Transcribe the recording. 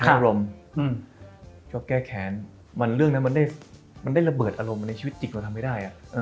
คิมหันค่ะเค้าแก้แขนมันเรื่องนั้นมันได้ระเบิดอารมณ์ในชีวิตจริงเราทำไม่ได้อ่ะ